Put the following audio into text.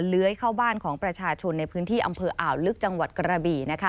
เลื้อยเข้าบ้านของประชาชนในพื้นที่อำเภออ่าวลึกจังหวัดกระบี่